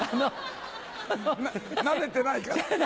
慣れてないから。